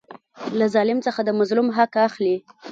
له ظالم څخه د مظلوم حق اخلي.